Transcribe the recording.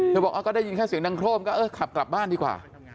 บอกก็ได้ยินแค่เสียงดังโครมก็เออขับกลับบ้านดีกว่า